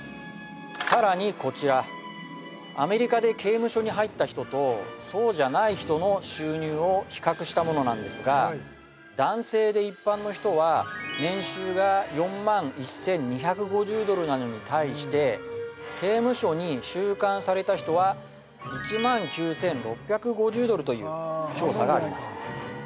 さらにこちらアメリカで刑務所に入った人とそうじゃない人の収入を比較したものなんですが男性で一般の人は年収が４１２５０ドルなのに対して刑務所に収監された人は１９６５０ドルという調査があります